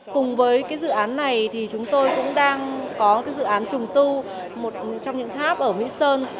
cùng với dự án này thì chúng tôi cũng đang có dự án trùng tu một trong những tháp ở mỹ sơn